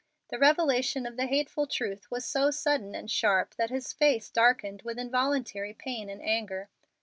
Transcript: The revelation of the hateful truth was so sudden and sharp that his face darkened with involuntary pain and anger.